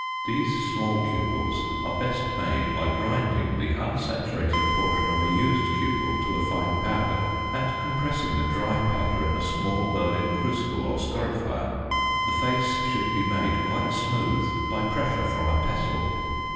These small cupels are best made by grinding the unsaturated portion of a used cupel to a fine powder, and compressing the dry powder into a small Berlin crucible or scorifier; the face should be made quite smooth by pressure from a pestle.